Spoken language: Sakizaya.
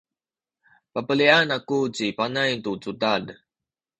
pabelian aku ci Panay tu cudad.